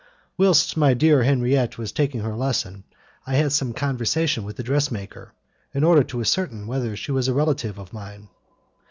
Whilst my dear Henriette was taking her lesson, I had some conversation with the dressmaker, in order to ascertain whether she was a relative of mine.